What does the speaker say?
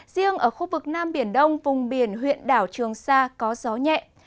riêng ở khu vực nam biển đông vùng biển huyện đảo trường sa có gió nhẹ